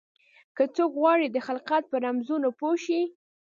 که څوک غواړي د خلقت په رمزونو پوه شي.